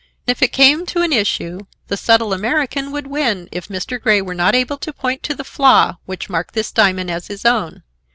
If it came to an issue, the subtle American would win if Mr. Grey were not able to point to the flaw which marked this diamond as his own.